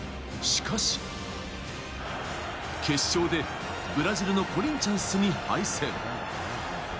しかし、決勝でブラジルのコリンチャンスに敗戦。